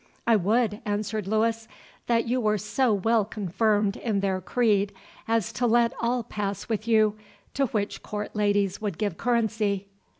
"I would," answered Louis, "that you were so well confirmed in their creed, as to let all pass with you, to which court ladies would give currency."